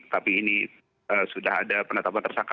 tapi ini sudah ada penetapan tersangka